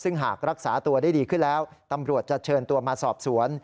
ซึ่งหากรักษาตัวได้ดีขึ้นแล้วตำรวจจะเชิญตัวมาสอบสวน